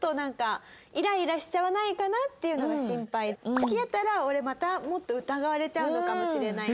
「付き合ったら俺またもっと疑われちゃうのかもしれないな」